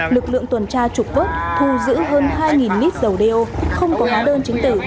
lực lượng tuần tra trục vớt thù giữ hơn hai lít dầu đều không có hóa đơn chính tử